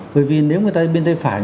bởi vì nếu người ta bên tay phải